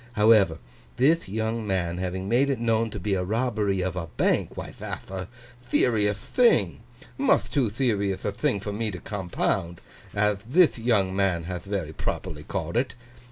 However, thith young man having made it known to be a robbery of a bank, why, that'h a theriouth thing; muth too theriouth a thing for me to compound, ath thith young man hath very properly called it.